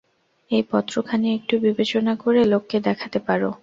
এই পত্রখানি একটু বিবেচনা করে লোককে দেখাতে পার।